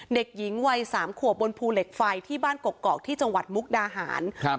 เด็กหญิงวัยสามขวบบนภูเหล็กไฟที่บ้านกกอกที่จังหวัดมุกดาหารครับ